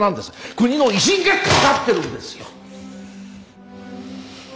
国の威信がかかってるんですよ！